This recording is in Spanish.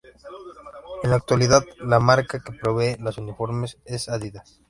En la actualidad, la marca que provee los uniformes es Adidas.